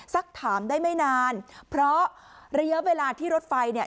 สักถามได้ไม่นานเพราะระยะเวลาที่รถไฟเนี่ย